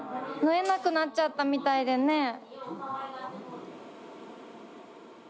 縫えなくなっちゃったみたいでね。